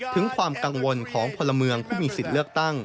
ถึงความกังวลของพลเมืองผู้มีสิทธิ์เลือกตั้ง